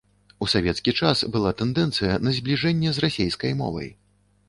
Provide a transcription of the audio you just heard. У савецкі час была тэндэнцыя на збліжэнне з расейскай мовай.